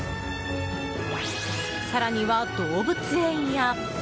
更には動物園や。